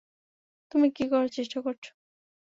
তুমি কি করার চেষ্টা করছ?